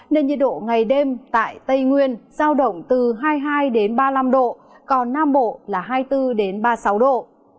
nên nhiệt độ ngày đêm tại tây nguyên giao động từ hai mươi hai ba mươi năm độ còn nam bộ là hai mươi bốn ba mươi sáu độ